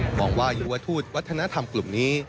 มองว่ายุวทูตวัฒนธรรมกลุ่มนี้